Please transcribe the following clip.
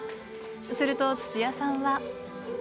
すると土屋さんは。